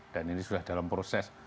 dan ini sudah dalam proses